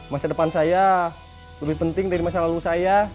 masa depan saya lebih penting dari masa lalu saya